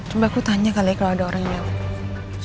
coba aku tanya kali ya kalau ada orang yang